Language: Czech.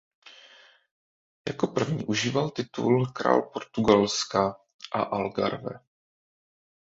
Jako první užíval titul "král Portugalska a Algarve".